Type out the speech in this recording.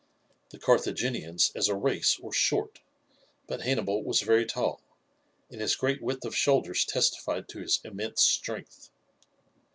The Carthaginians, as a race, were short, but Hannibal was very tall, and his great width of shoulders testified to his immense strength.